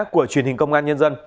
của truyền hình công an